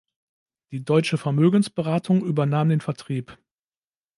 Die Deutsche Vermögensberatung übernahm den Vertrieb.